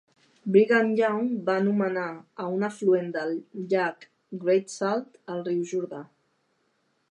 Brigham Young va nomenar a un afluent del llac Great Salt el "Riu Jordà".